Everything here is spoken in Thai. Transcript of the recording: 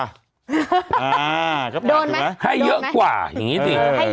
อ่าก็โดนถูกไหมให้เยอะกว่าอย่างนี้สิ